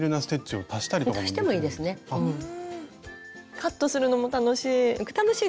カットするのも楽しい！